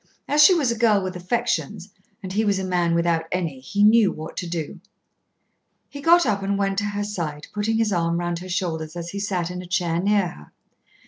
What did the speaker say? As she was a girl with affections, and he was a man without any, he knew what to do. He got up and went to her side, putting his arm round her shoulders as he sat in a chair near her.